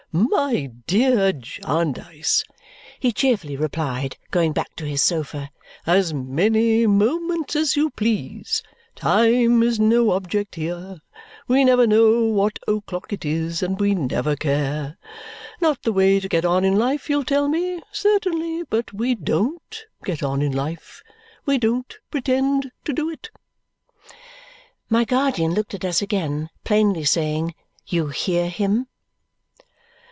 "My dear Jarndyce," he cheerfully replied, going back to his sofa, "as many moments as you please. Time is no object here. We never know what o'clock it is, and we never care. Not the way to get on in life, you'll tell me? Certainly. But we DON'T get on in life. We don't pretend to do it." My guardian looked at us again, plainly saying, "You hear him?"